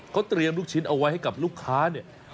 เขาเตรียมลูกชิ้นเอาไว้ให้กับลูกค้าเนี่ย